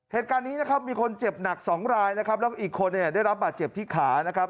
เหตุการณ์นี้นะครับมีคนเจ็บหนักสองรายนะครับแล้วก็อีกคนเนี่ยได้รับบาดเจ็บที่ขานะครับ